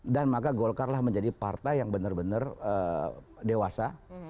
dan maka golkar lah menjadi partai yang benar benar dewasa